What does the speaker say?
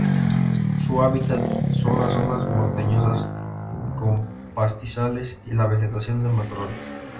Su hábitat son las zonas montañosas con pastizales y la vegetación de matorrales.